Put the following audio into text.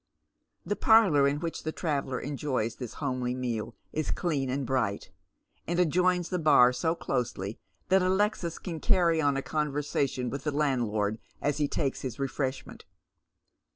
The parlour in which the traveller enjoys this homely meal is clean and bright, and adjoins the bar so closely that Alexis can cairy on a con versation with the landlord as he takes his reft eshment.